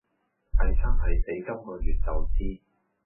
係生係死今個月就知